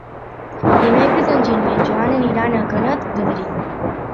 Dimecres en Guim i en Joan aniran a Canet d'Adri.